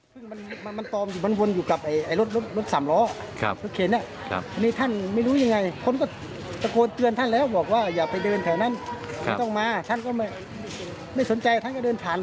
พี่แกเมื่อไหร่ไม่รู้น่าจะโดนร้ายตัวอย่างนี้ครับ